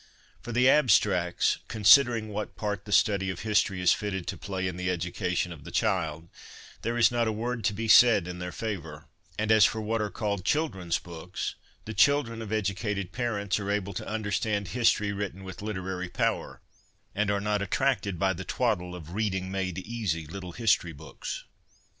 For the abstracts, considering what part the study of history is fitted to play in the education of the child, there is not a word to be said in their favour ; and as for what are called children's books, the children of educated parents are able to understand history written with literary power, and are not attracted by the twaddle of reading made easy little history books.